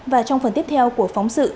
và trong phần tiếp theo của phóng sự